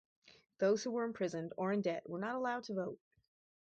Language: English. Those who were imprisoned or in debt were not allowed to vote.